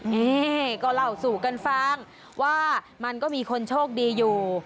นี่ก็เล่าสู่กันฟังว่ามันก็มีคนโชคดีอยู่